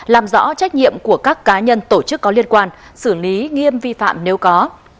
làm rõ trách nhiệm của các cá nhân tổ chức có liên quan xử lý nghiêm vi phạm nếu có